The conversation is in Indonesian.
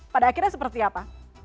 pada akhirnya seperti apa